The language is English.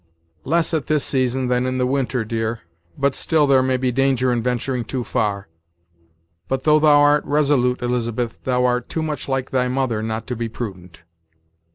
"Less at this season than in the winter, dear; but still there may be danger in venturing too far. But though thou art resolute, Elizabeth, thou art too much like thy mother not to be prudent."